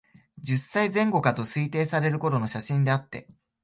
十歳前後かと推定される頃の写真であって、